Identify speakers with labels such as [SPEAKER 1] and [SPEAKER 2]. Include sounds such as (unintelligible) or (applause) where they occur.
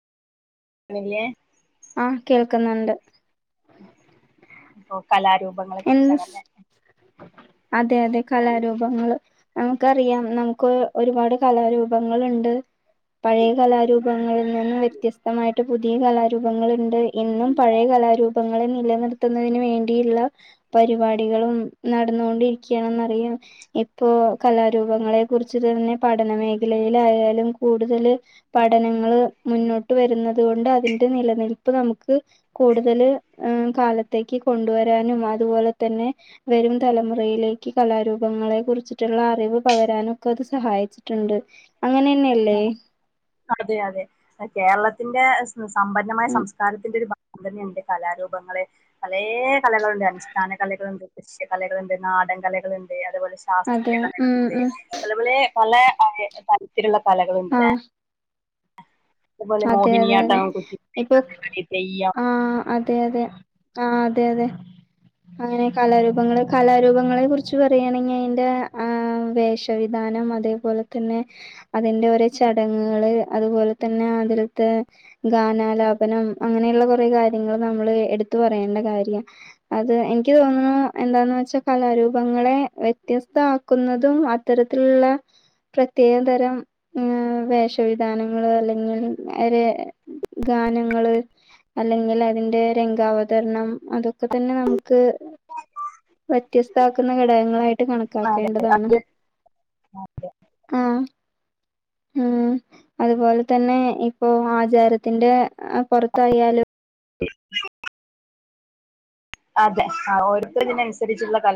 [SPEAKER 1] കണില്ല്യെ
[SPEAKER 2] ആഹ് കേൾക്ക്ന്ന്ണ്ട്
[SPEAKER 1] ഉം അപ്പൊ കലാരൂ
[SPEAKER 2] എൻസ് അതെ അതെ കലാരൂപങ്ങള് നമുക്കറിയാം നമുക്ക് ഒരുപാട് കലാരൂപങ്ങള്ണ്ട് പഴേ കലാരൂപങ്ങളിൽ നിന്നും വ്യത്യസ്തമായിട്ട് പുതിയ കലാരൂപങ്ങള്ണ്ട് ഇന്നും പഴേ കലാരൂപങ്ങളെ നിലനിർത്തുന്നതിന് വേണ്ടി ഇള്ള പരിപാടികളും നടന്നോണ്ടിരിക്ക്യാണെന്നറിയാം ഇപ്പോ കലാരൂപങ്ങളെ കുറിച്ച് തന്നെ പഠന മേഖലയില് ആയാലും കൂട്തല് പഠനങ്ങള് മുന്നോട്ട് വെരുന്നത് കൊണ്ട് അതിന്റെ നിലനിൽപ്പ് നമുക്ക് കൂടുതല് കാലത്തേക്ക് കൊണ്ട് വെരാൻ നും അതുപോലതന്നെ വെരും തലമുറയിലേക്ക് കലാരൂപങ്ങളെ കുറിച്ചിട്ട്ള്ള അറിവ് പകരാനൊക്ക ഇത് സഹായിച്ചിട്ട്ണ്ട് അങ്ങനെന്നെല്ലേ
[SPEAKER 1] അതെ അതെ കേരളത്തിന്റ സ് സമ്പന്നമായ
[SPEAKER 2] ഉം
[SPEAKER 1] സംസ്കാരത്തിന്റെ ഒരു ഭ (unintelligible) കലാരൂപങ്ങളെ പലേ കലകള്ണ്ട് അനുഷ്ഠാന കലകള്ണ്ട് ദൃശ്യകലകള്ണ്ട് നാടൻ കലകള്ണ്ട് അ അതേപോല
[SPEAKER 2] അതെ
[SPEAKER 1] ശാസ്ത്രീയ
[SPEAKER 2] ഉം
[SPEAKER 1] കലകള്ണ്ട്
[SPEAKER 2] ഉം
[SPEAKER 1] പലപലേ പലെ ഹ് തെരത്തിലുള്ള കലകളണ്ട്ലെ
[SPEAKER 2] ആഹ് അതെ അതെ അതെ ഇപ്പൊ
[SPEAKER 1] കുച്ചിപ്പുടി തെയ്യം
[SPEAKER 2] ആഹ് അതെ അതെ ആഹ് അതെ അതെ അങ്ങനെ കലാരൂപങ്ങ കലാരൂപങ്ങളെ കുറിച്ച് പറയാണെ അയ്ന്റെ ആഹ് വേഷവിധാനം അതേപോലെ തന്നെ അതിന്റെ ഓരേ ചടങ്ങ്കൾ അതുപോലെ തന്നെ ആണ് തില്ത്തെ ഗാനാലാപനം അങ്ങനെ ഇള്ള കൊറെ കാര്യങ്ങള് നമ്മള് എടുത്തു പറയേണ്ട കാര്യ അത് എനിക്ക് തോന്ന്ണു എന്താന്ന് വെച്ചാ കലാരൂപങ്ങളെ വ്യത്യസ്ത ആക്കുന്നതും അത്തരത്തിലുള്ള പ്രത്യേക തരം വേഷവിധാനങ്ങള്അല്ലെങ്കിൽ ഗാനങ്ങള് അല്ലെങ്കിൽ അതിന്റെ രംഗാവതരണം അതൊക്കെ തന്നെ നമുക്ക് ക്ക് വ്യത്യസ്ത ആക്കുന്ന ഘടകങ്ങളായിട്ട്
[SPEAKER 1] അതെ
[SPEAKER 2] കണക്കാക്കേണ്ടതാണ്
[SPEAKER 1] അത്
[SPEAKER 2] ആഹ് ഉം അതുപോലെ തന്നെ ഇപ്പൊ ആചാരത്തിന്റെ പൊറത്തായാലും
[SPEAKER 1] (inaudible) അതെ ആഹ് ഓരോര്ത്തരും ഇതിനൻസരിച്ചുള്ള കല